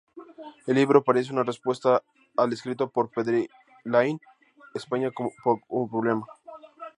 El libro parece una respuesta al escrito por Pedro Laín, "España como problema".